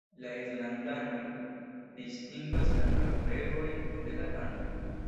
La irlandanoj distingas la norvegoj de la danoj.